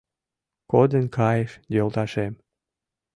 Коден кайыш йолташем.